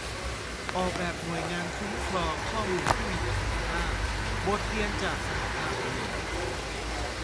ออกแบบหน่วยงานคุ้มครองข้อมูลที่มีประสิทธิภาพ: บทเรียนจากสหภาพยุโรป